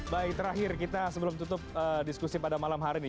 baik terakhir kita sebelum tutup diskusi pada malam hari ini